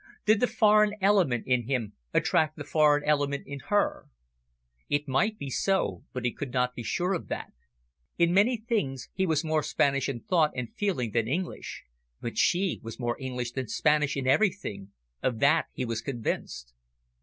Did the foreign element in him attract the foreign element in her? It might be so, but he could not be sure of that. In many things he was more Spanish in thought and feeling than English, but she was more English than Spanish in everything, of that he was convinced.